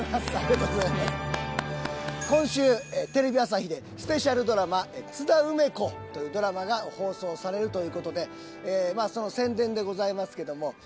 今週テレビ朝日でスペシャルドラマ『津田梅子』というドラマが放送されるという事でまあその宣伝でございますけども。